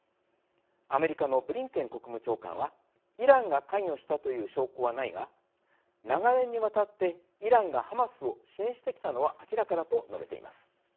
アメリカのブリンケン国務長官は「イランが関与したという証拠はないが長年にわたってイランがハマスを支援してきたのは明らかだ」と述べています。